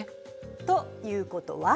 ということは？